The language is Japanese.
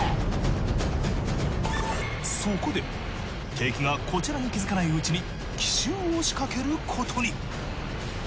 そこで敵がこちらに気づかないうちに奇襲をしかけることに。